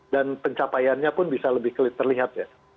dan pencapaiannya pun bisa lebih terlihat ya